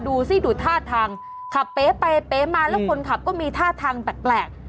ดูสิดูท่าทางขับเป๊ไปเป๊มาแล้วคนขับก็มีท่าทางแปลก